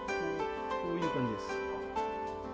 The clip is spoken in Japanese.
こういう感じです。